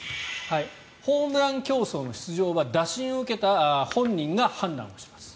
ホームラン競争の出場は打診を受けた本人が判断をします。